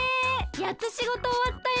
やっとしごとおわったよ。